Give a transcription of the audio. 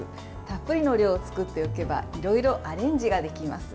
たっぷりの量を作っておけばいろいろアレンジができます。